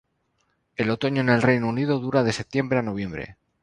El otoño en el Reino Unido dura de septiembre a noviembre.